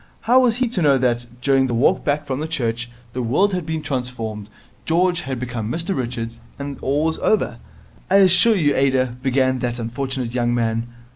How was he to know that, during the walk back from church, the world had been transformed, George had become Mr Richards, and all was over? 'I assure you, Ada ' began that unfortunate young man.